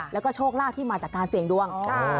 แล้วก็โชคลาภที่มาจากการเสี่ยงดวง